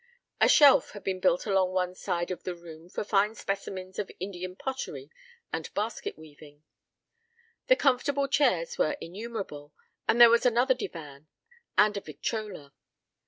A shelf had been built along one side of the room for fine specimens of Indian pottery and basket weaving. The comfortable chairs were innumerable, and there was another divan, and a victrola.